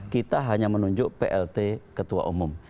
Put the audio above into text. kita hanya menunjuk plt ketua umum